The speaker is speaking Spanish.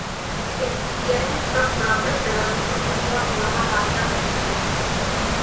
Tienen sus objetos propios pero al mismo tiempo engloban a otras virtudes.